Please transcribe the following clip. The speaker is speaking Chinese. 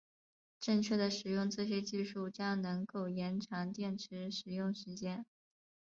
正确的使用这些技术将能够延长电池使用时间。